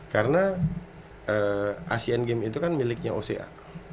karena asean games itu kan miliknya oca